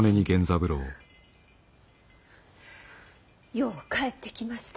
よう帰ってきました。